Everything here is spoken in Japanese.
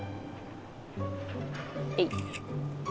えい。